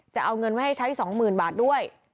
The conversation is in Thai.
จะเอาเงินไว้ให้ใช้สองหมื่นบาทด้วย